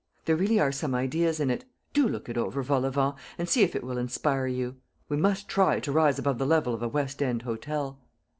There really are some ideas in it. Do look it over, Volavent, and see if it will inspire you. We must try to rise above the level of a West end hotel."